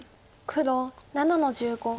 黒７の十五。